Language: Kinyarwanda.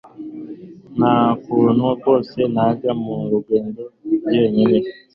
nta kuntu rwose najya mu rugendo njyenyine